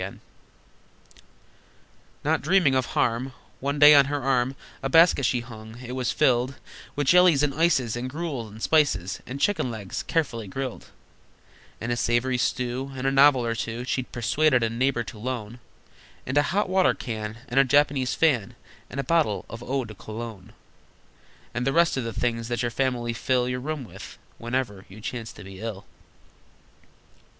Not dreaming of harm, One day on her arm A basket she hung. It was filled With jellies, and ices, And gruel, and spices, And chicken legs, carefully grilled, And a savory stew, And a novel or two She'd persuaded a neighbor to loan, And a hot water can, And a Japanese fan, And a bottle of eau de cologne, And the rest of the things that your family fill Your room with, whenever you chance to be ill!